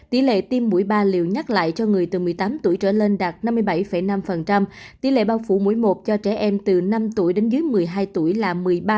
tỷ lệ tiêm mũi ba liều nhắc lại cho người từ một mươi tám tuổi trở lên đạt năm mươi bảy năm tỷ lệ bao phủ mỗi một cho trẻ em từ năm tuổi đến dưới một mươi hai tuổi là một mươi ba bốn